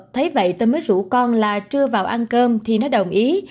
thấy vậy tôi mới rủ con là chưa vào ăn cơm thì nó đồng ý